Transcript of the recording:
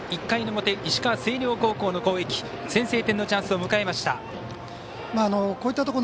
１回の表、石川、星稜高校の攻撃先制点のチャンスを迎えました。